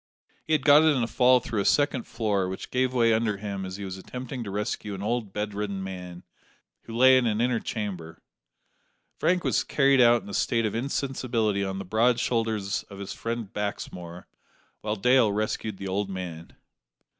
He had got it in a fall through a second floor, which gave way under him as he was attempting to rescue an old bedridden man, who lay in an inner chamber. Frank was carried out in a state of insensibility on the broad shoulders of his friend Baxmore, while Dale rescued the old man.